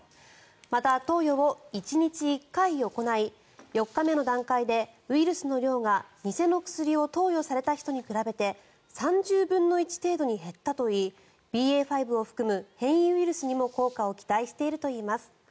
また、投与を１日１回行い４日目の段階でウイルスの量が偽の薬を投与された人に比べて３０分の１程度に減ったといいＢＡ．５を含む変異ウイルスにも効果を期待しているといいます。